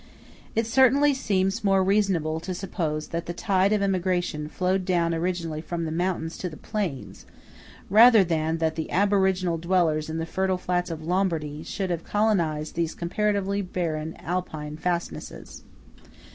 It certainly seems more reasonable to suppose that the tide of emigration flowed down originally from the mountains to the plains, rather than that the aboriginal dwellers in the fertile flats of Lombardy should have colonised these comparatively barren Alpine fastnesses.